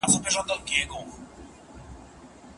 زوی له ډېر وخته د سم ځای لټون کړی و.